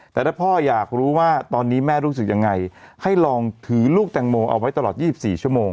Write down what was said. แต่ถ้าพ่ออยากรู้ว่าตอนนี้แม่รู้สึกยังไงให้ลองถือลูกแตงโมเอาไว้ตลอด๒๔ชั่วโมง